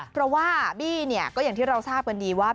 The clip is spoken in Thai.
เพราะว่าบี้เนี่ยก็อย่างที่เราทราบกันดีว่า